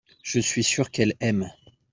je suis sûr qu'elle aime.